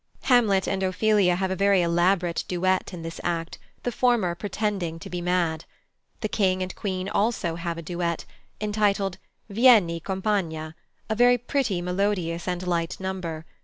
Hamlet and Ophelia have a very elaborate duet in this act, the former pretending to be mad. The King and Queen also have a duet, entitled "Vieni, compagna," a very pretty, melodious, and light number.